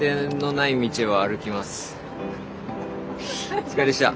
お疲れでした。